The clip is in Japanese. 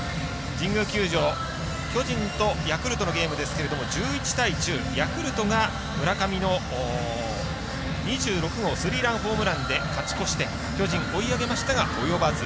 神宮球場巨人とヤクルトのゲームですが１１対１０、ヤクルトが村上の２６号スリーランホームランで勝ち越して巨人追い上げましたが及ばず。